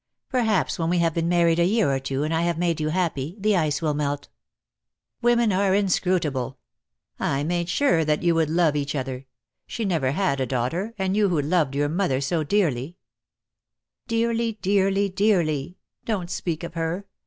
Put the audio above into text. Perhaps when we have been married a year or two, and I have made you happy, the ice will melt." "Women are inscrutable. I made sure that 204 DEAD LOVE HAS CHAINS. you would love each other. She never had a daughter, and you who loved your mother so dearly " "Dearly, dearly, dearly. Don't speak of her.